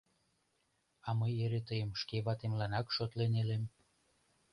А мый эре тыйым шке ватемланак шотлен илем...